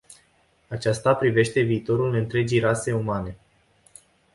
Aceasta privește viitorul întregii rase umane.